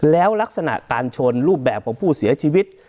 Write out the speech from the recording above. แล้วลักษณะการชนรูปแบบของผู้เสียชีวิต